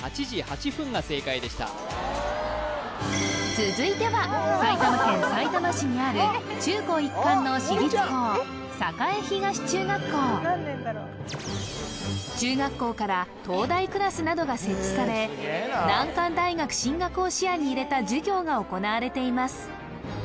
続いては埼玉県さいたま市にある中高一貫の私立校中学校から東大クラスなどが設置され難関大学進学を視野に入れた授業が行われています